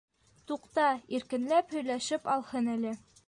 Туҡта, иркенләп һөйләшеп алһын әле!